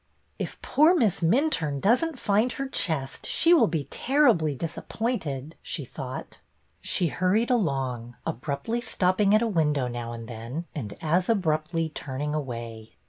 If poor Miss Minturne does n't find her chest she will be terribly disappointed/' she thought. 288 BETTY BAIRD'S VENTURES She hurried along, abruptly stopping at a win dow now and then, and as abruptly turning away.